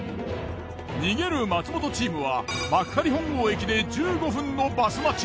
逃げる松本チームは幕張本郷駅で１５分のバス待ち。